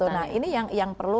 nah ini yang